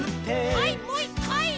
はいもう１かい！